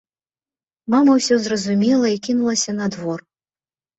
Мама ўсё зразумела і кінулася на двор.